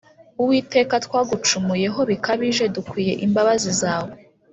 Uwiteka twagucumuyeho bikabije dukwiye imbabazi zawe